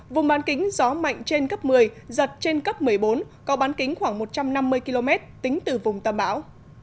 vùng bán kính gió mạnh trên cấp một mươi giật trên cấp một mươi bốn có bán kính khoảng một trăm năm mươi km tính từ vùng tâm bão